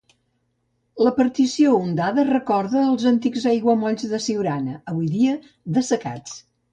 La partició ondada recorda els antics aiguamolls de Siurana, avui dia dessecats.